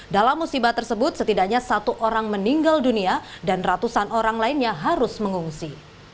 dalam musibah tersebut setidaknya satu orang meninggal dunia dan ratusan orang lainnya harus mengungsi